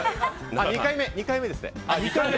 ２回目ですね。